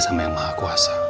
sama yang maha kuasa